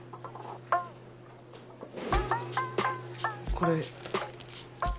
これ。